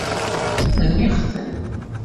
Rniɣ-ten.